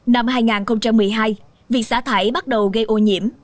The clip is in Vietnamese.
năm hai nghìn một mươi hai việc xả thải bắt đầu gây ô nhiễm